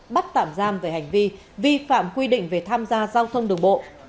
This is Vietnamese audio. bắt tạm giam về hành vi vi phạm quy định về tham gia giao thông đường bộ